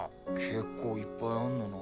結構いっぱいあんのな。